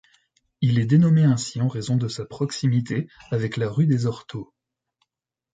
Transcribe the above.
Il est dénommé ainsi en raison de sa proximité avec la rue des Orteaux.